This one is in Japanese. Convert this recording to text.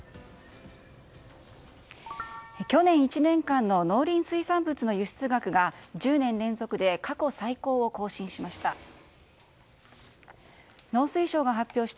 去年１年間の農林水産物の輸出額が１０年連続で過去最高を更新しました。